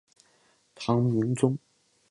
唐明宗